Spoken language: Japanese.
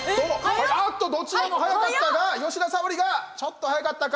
あっと、どちらも早かったが吉田沙保里がちょっと早かったか！